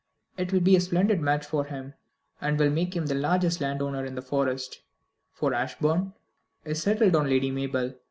It will be a splendid match for him, and will make him the largest landowner in the Forest, for Ashbourne is settled on Lady Mabel.